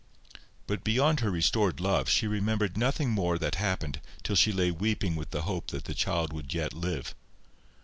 But beyond her restored love, she remembered nothing more that happened till she lay weeping with the hope that the child would yet live.